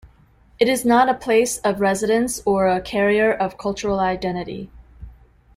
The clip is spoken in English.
It is not a 'place' of residence or a carrier of cultural identity.